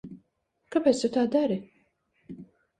Kāpēc tu tā dari?